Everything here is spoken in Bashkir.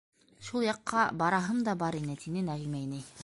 Шул яҡҡа бараһым да бар ине, - тине Нәғимә инәй.